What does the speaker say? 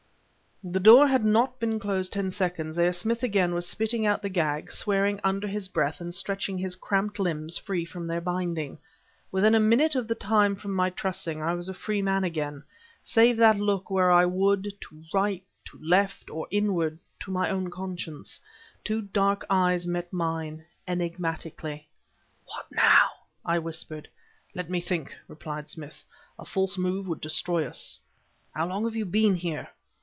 The door had not been closed ten seconds, ere Smith again was spitting out the gag, swearing under his breath, and stretching his cramped limbs free from their binding. Within a minute from the time of my trussing, I was a free man again; save that look where I would to right, to left, or inward, to my own conscience two dark eyes met mine, enigmatically. "What now?" I whispered. "Let me think," replied Smith. "A false move would destroy us." "How long have you been here?"